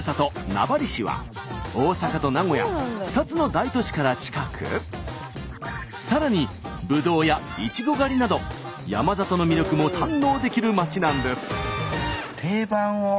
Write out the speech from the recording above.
名張市は大阪と名古屋２つの大都市から近くさらにぶどうやいちご狩りなど山里の魅力も堪能できる町なんです。